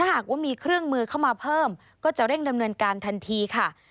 หากว่ามีเครื่องมือเข้ามาเพิ่มก็จะเร่งดำเนินการทันทีค่ะ